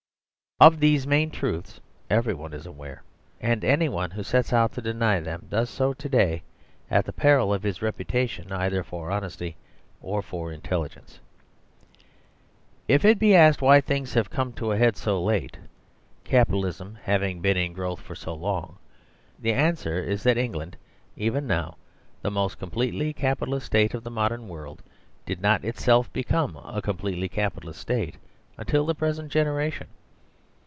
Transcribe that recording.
Of these main truths everyone is aware ; and any one who sets out to deny them does so to day at the 85 THE SERVILE STATE peril of his reputation either for honesty or for in telligence. If it be asked why things have come to a head so late (Capitalism having been in growth for so long), the answer is that England, even now the most com pletely Capitalist State of the modern world, did not itself become a completely Capitalist State until the present generation.